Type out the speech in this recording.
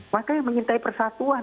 maka yang menyintai persatuan